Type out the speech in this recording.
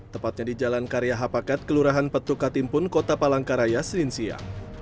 tepatnya di jalan karya hapaket kelurahan petuk katimpun kota palangkaraya sininsia